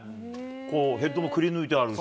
ヘッドもくりぬいてあるし。